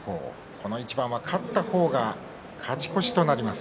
この一番は勝った方が勝ち越しとなります。